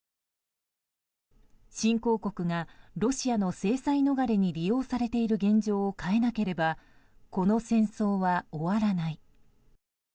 新興国がロシアの制裁逃れに利用されている現状を変えなければこの戦争は終わらない。